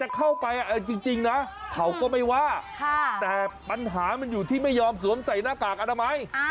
เข้าไปจริงนะเขาก็ไม่ว่าแต่ปัญหามันอยู่ที่ไม่ยอมสวมใส่หน้ากากอนามัย